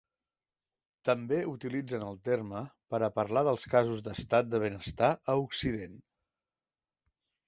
També utilitzen el terme per a parlar dels casos d'Estat de benestar a Occident.